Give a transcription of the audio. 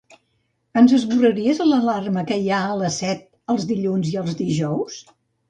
Ens esborraries l'alarma que hi ha a les set els dilluns i els dijous?